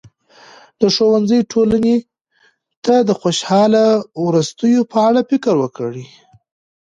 د ښوونځي ټولنې ته د خوشاله وروستیو په اړه فکر وکړي.